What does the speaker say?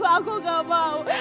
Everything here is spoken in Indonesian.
aku gak mau